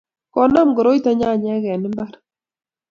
Kokonam koroito nyanyek eng' imbar